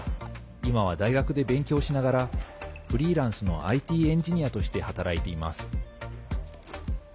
今は大学で勉強しながらフリーランスのＩＴエンジニアとして働いています。